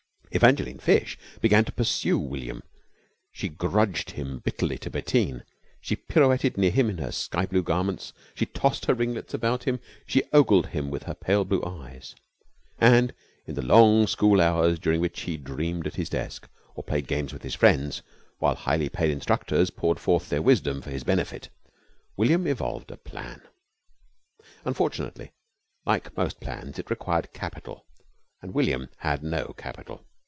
Evangeline Fish began to pursue William. She grudged him bitterly to Bettine. She pirouetted near him in her sky blue garments, she tossed her ringlets about him. She ogled him with her pale blue eyes. And in the long school hours during which he dreamed at his desk, or played games with his friends, while highly paid instructors poured forth their wisdom for his benefit, William evolved a plan. Unfortunately, like most plans, it required capital, and William had no capital.